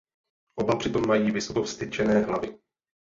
Oba při tom mají vysoko vztyčené hlavy.